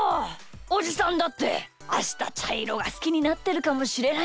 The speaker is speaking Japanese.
おじさんだってあしたちゃいろがすきになってるかもしれないし。